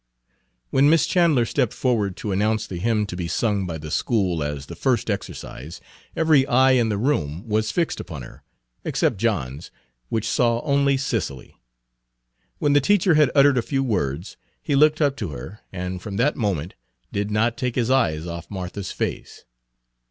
When Miss Chandler stepped forward to announce the hymn to be sung by the school as the first exercise, every eye in the room was fixed upon her, except John's, which saw only Cicely. When the teacher had uttered a few words, he looked up to her, and from that moment did not take his eyes off Martha's face.